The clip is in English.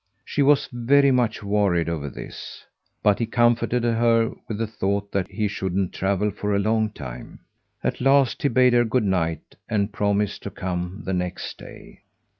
She was very much worried over this, but he comforted her with the thought that he shouldn't travel for a long time. At last he bade her good night, and promised to come the next day.